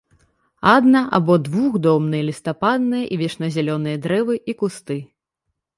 Адна- або двухдомныя лістападныя і вечназялёныя дрэвы і кусты.